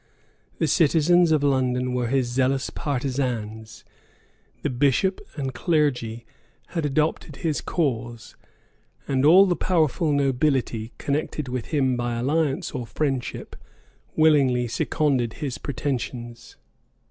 The citizens of London were his zealous partisans; the bishops and clergy had adopted his cause; and all the powerful nobility, connected with him by alliance or friendship, willingly seconded his pretensions.